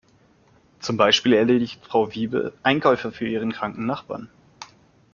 Zum Beispiel erledigt Frau Wiebe Einkäufe für ihren kranken Nachbarn.